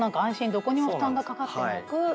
どこにも負担がかかってなく。